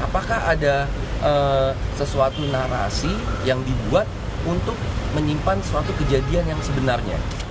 apakah ada sesuatu narasi yang dibuat untuk menyimpan suatu kejadian yang sebenarnya